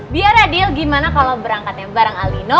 biar adil gimana kalau berangkatnya bareng alino